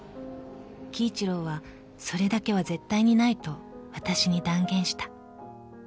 ［輝一郎は「それだけは絶対にない」とわたしに断言した］